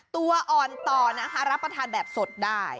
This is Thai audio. ตัวอ่อนต่อนะคะรับประทานแบบสดได้